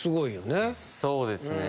そうですね。